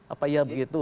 apa iya begitu